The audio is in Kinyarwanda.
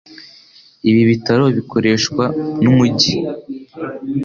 Ibi bitaro bikoreshwa numujyi.